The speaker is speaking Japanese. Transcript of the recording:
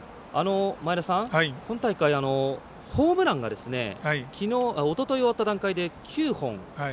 今大会、ホームランがおととい終わった段階で９本。